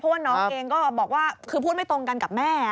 เพราะว่าน้องเองก็บอกว่าคือพูดไม่ตรงกันกับแม่